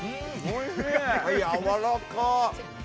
やわらかい！